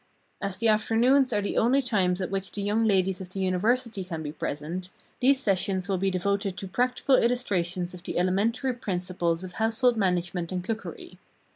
As the afternoons are the only times at which the young ladies of the University can be present, these sessions will be devoted to practical illustrations of the elementary principles of household management and cookery.